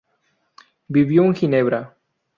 Vivió en Ginebra.